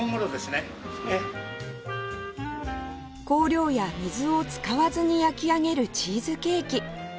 香料や水を使わずに焼き上げるチーズケーキ